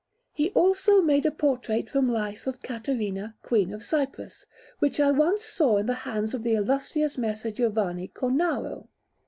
_] He also made a portrait from life of Caterina, Queen of Cyprus, which I once saw in the hands of the illustrious Messer Giovanni Cornaro.